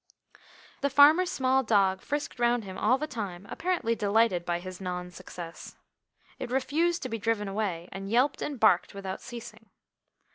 The farmer's small dog frisked round him all the time apparently delighted by his non success. It refused to be driven away, and yelped and barked without ceasing.